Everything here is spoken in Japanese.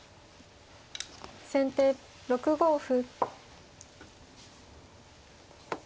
先手６五歩。